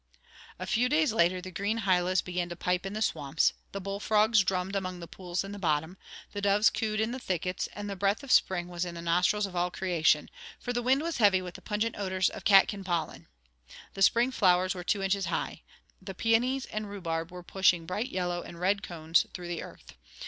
A few days later the green hylas began to pipe in the swamps, the bullfrogs drummed among the pools in the bottom, the doves cooed in the thickets, and the breath of spring was in the nostrils of all creation, for the wind was heavy with the pungent odor of catkin pollen. The spring flowers were two inches high. The peonies and rhubarb were pushing bright yellow and red cones through the earth.